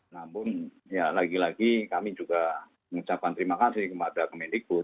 namun ya lagi lagi kami juga mengucapkan terima kasih kepada kemendikbud